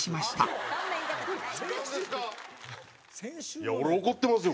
いや俺怒ってますよ